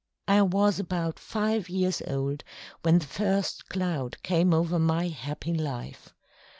I was about five years old when the first cloud came over my happy life.